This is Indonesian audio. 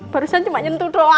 barusan cuma nyentuh doang